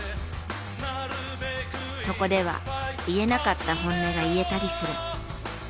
そこでは言えなかった本音が言えたりする。